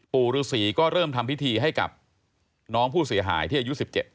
ปู่ฤษีก็เริ่มทำพิธีให้กับน้องผู้เสียหายที่อายุ๑๗